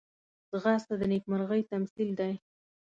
ځغاسته د نېکمرغۍ تمثیل دی